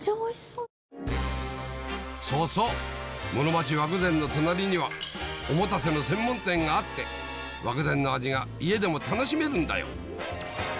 そうそう室町和久傳の隣にはおもたせの専門店があって和久傳の味が家でも楽しめるんだよ